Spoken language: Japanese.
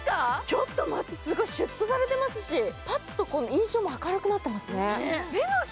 ちょっと待って、すごい、シュッとされていますし、パッと印象も明るくなってますね。